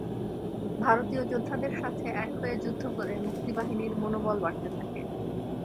ভারতীয় যোদ্ধাদের সাথে এক হয়ে যুদ্ধ করে মুক্তিবাহিনীর মনোবল বাড়তে থাকে।